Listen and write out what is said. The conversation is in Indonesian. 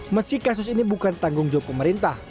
meski kasus ini bukan tanggung jawab pemerintah